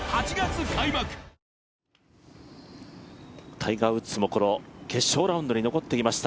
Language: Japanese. タイガー・ウッズも決勝ラウンドに残ってきました。